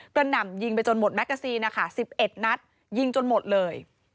หน่ำยิงไปจนหมดแมกกาซีนนะคะ๑๑นัดยิงจนหมดเลย